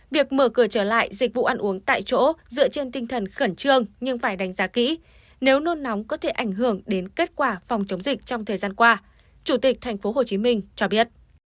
việc mở cửa trở lại dịch vụ ăn uống tại chỗ dựa trên tinh thần khẩn trương nhưng phải đánh giá kỹ nếu nôn nóng có thể ảnh hưởng đến kết quả phòng chống dịch trong thời gian qua chủ tịch tp hcm cho biết